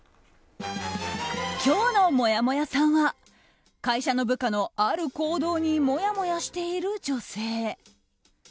今日のもやもやさんは会社の部下のある行動にもやもやしている女性。